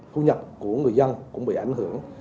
thu nhập của người dân cũng bị ảnh hưởng